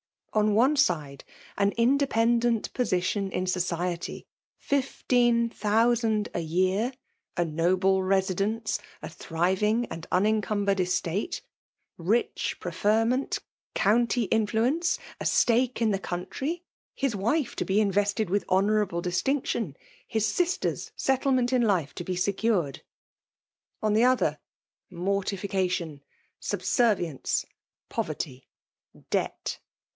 On one side, an independent position in society, fif* FEKALB UOMINATIOK, 67 ieen thousand a year, a noble residence, a llifinng and unencmnbered estate^ rich pre fennenty eonnty inflnencc, a stake in the coun iry, histrife io be invested with honourable disfinction, his sister's settlement in life to be secured ; on the other^ mortificationi sabser* vience^ poverty, debt